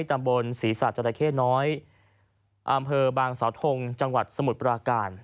ตำบลศรีษาจราเข้น้อยอำเภอบางสาวทงจังหวัดสมุทรปราการ